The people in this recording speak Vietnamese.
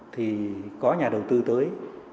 thì có nhà đầu tư tới